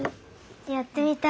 やってみたい！